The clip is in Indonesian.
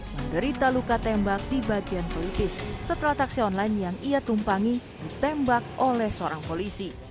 menderita luka tembak di bagian pelipis setelah taksi online yang ia tumpangi ditembak oleh seorang polisi